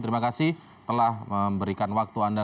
terima kasih telah memberikan waktu anda